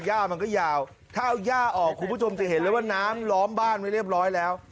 ย่ามันก็ยาวถ้าเอาย่าออกคุณผู้ชมจะเห็นเลยว่าน้ำล้อมบ้านไว้เรียบร้อยแล้ว